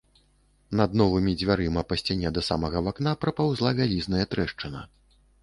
Над новымі дзвярыма па сцяне да самага вакна папаўзла вялізная трэшчына.